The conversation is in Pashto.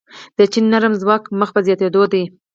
د چین نرم ځواک مخ په زیاتیدو دی.